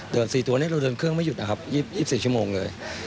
๔ตัวนี้เราเดินเครื่องไม่หยุดนะครับ๒๔ชั่วโมงเลย